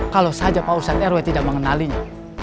kalau saja pak ustadz rw tidak mengenalinya